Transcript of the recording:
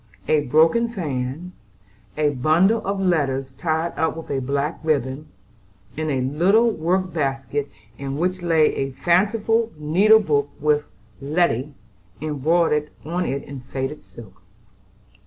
A broken fan, a bundle of letters tied up with a black ribbon, and a little work basket in which lay a fanciful needle book with "Letty" embroidered on it in faded silk.